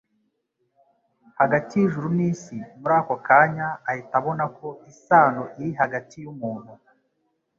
hagati y'ijuru n'isi, muri ako kanya ahita abona ko isano iri hagati y'umuntu